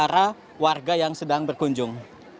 para warga yang sedang berkunjung